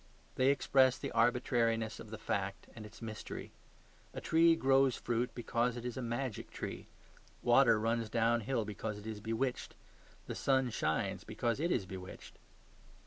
They express the arbitrariness of the fact and its mystery. A tree grows fruit because it is a MAGIC tree. Water runs downhill because it is bewitched. The sun shines because it is bewitched.